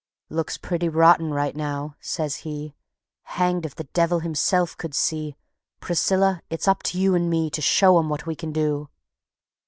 "Looks pretty rotten right now," says he; "Hanged if the devil himself could see. Priscilla, it's up to you and me To show 'em what we can do."